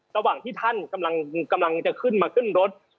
ระหว่างที่ท่านกำลังจะขึ้นมาขึ้นรถ